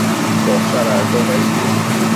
Posadaccosh aid